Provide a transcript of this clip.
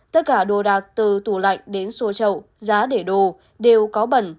tất cả đồ đạc từ tủ lạnh đến sùa trậu giá để đồ đều có bẩn